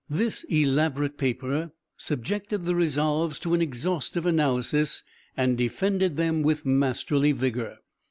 This elaborate paper subjected the resolves to an exhaustive analysis and defended them with masterly vigor.